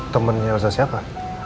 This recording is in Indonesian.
temennya elsa siapa